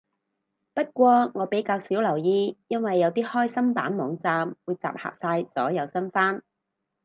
不過我比較少留意，因為有啲開心版網站會集合晒所有新番